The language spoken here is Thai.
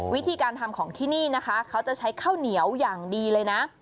วิธีการทำของที่นี่นะคะเขาจะใช้ข้าวเหนียวอย่างดีเลยนะ